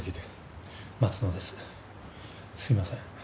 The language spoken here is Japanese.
すいません